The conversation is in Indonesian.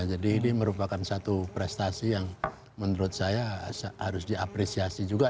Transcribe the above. jadi ini merupakan satu prestasi yang menurut saya harus diapresiasi juga